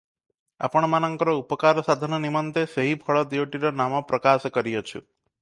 ଆପଣମାନଙ୍କର ଉପକାର ସାଧନ ନିମନ୍ତେ ସେହି ଫଳ ଦିଓଟିର ନାମ ପ୍ରକାଶ କରିଅଛୁ ।